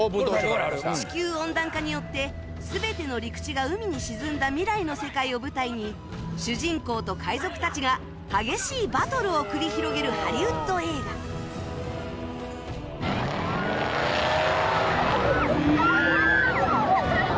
地球温暖化によって全ての陸地が海に沈んだ未来の世界を舞台に主人公と海賊たちが激しいバトルを繰り広げるハリウッド映画キャーッ！